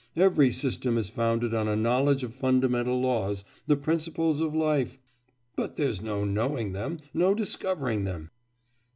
Every system is founded on a knowledge of fundamental laws, the principles of life ' 'But there is no knowing them, no discovering them.